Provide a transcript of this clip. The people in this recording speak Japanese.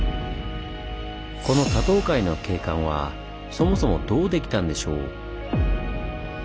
この多島海の景観はそもそもどうできたんでしょう？